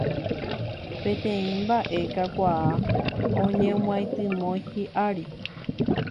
Peteĩ mbaʼe kakuaa oñemyatymói hiʼári.